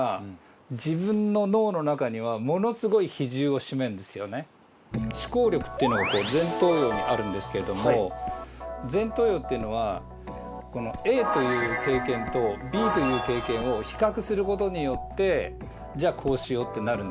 やっぱりですからやっぱり思考力っていうのが前頭葉にあるんですけれども前頭葉っていうのはＡという経験とＢという経験を比較することによって「じゃあこうしよう」ってなるんですけど